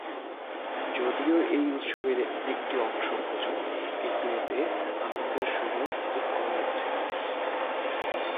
যদিও এই উৎসবের একটি অংশ ভোজন, কিন্তু এতে আনন্দের সুযোগ খুব কমই আছে।